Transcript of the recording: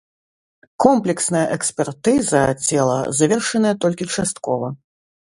Комплексная экспертыза цела завершаная толькі часткова.